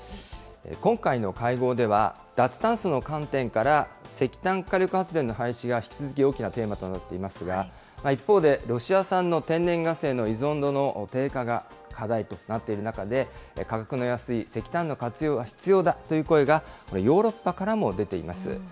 今回の会合では、脱炭素の観点から石炭火力発電の廃止が引き続き大きなテーマとなっていますが、一方で、ロシア産の天然ガスへの依存度の低下が課題となっている中で、価格の安い石炭の活用は必要だという声が、ヨーロッパからも出ています。